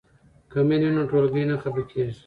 که مینه وي نو ټولګی نه خفه کیږي.